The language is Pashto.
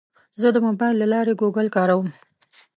زه د موبایل له لارې ګوګل کاروم.